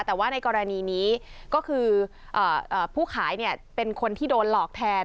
แต่ว่าในกรณีนี้ก็คือผู้ขายเป็นคนที่โดนหลอกแทน